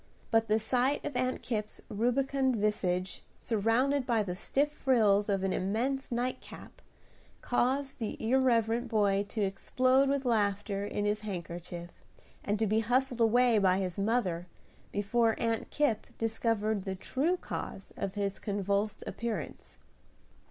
But the sight of Aunt Kipp's rubicund visage, surrounded by the stiff frills of an immense nightcap, caused the irreverent boy to explode with laughter in his handkerchief, and to be hustled away by his mother before Aunt Kipp discovered the true cause of his convulsed appearance.